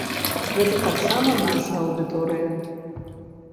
Гэта таксама наша аўдыторыя.